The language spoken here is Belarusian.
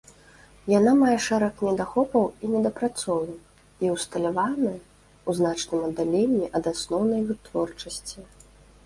Яна мае шэраг недахопаў і недапрацовак і ўсталяваная ў значным аддаленні ад асноўнай вытворчасці.